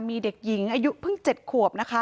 มีเด็กหญิงอายุเพิ่ง๗ขวบนะคะ